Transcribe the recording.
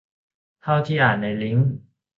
เท่าที่อ่านในลิงก์